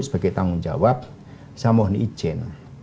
sebagai tanggung jawab saya mau ini izin